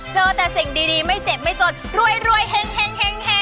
เจอแต่สิ่งดีไม่เจ็บไม่จนรวยเฮ็ง